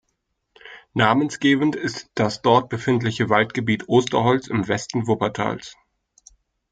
Namensgebend ist das dort befindliche Waldgebiet Osterholz im Westen Wuppertals.